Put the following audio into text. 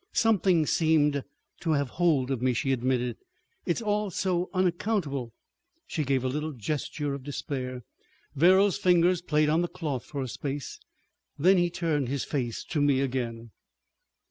"Something seemed to have hold of me," she admitted. "It's all so unaccountable. ..." She gave a little gesture of despair. Verrall's fingers played on the cloth for a space. Then he turned his face to me again.